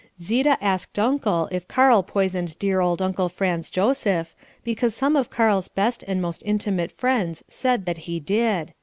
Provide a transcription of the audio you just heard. Zita asked Uncle if Karl poisoned dear old Uncle Franz Joseph, because some of Karl's best and most intimate friends said that he did.